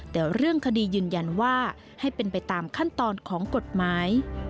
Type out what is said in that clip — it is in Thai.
แต่เรื่องคดียืนยันว่าให้เป็นไปตามขั้นตอนของกฎหมาย